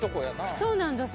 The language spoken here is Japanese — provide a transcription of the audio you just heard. そうなんどす。